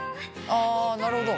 あなるほど。